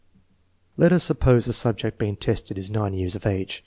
Let us suppose the subject being tested is 9 years of age.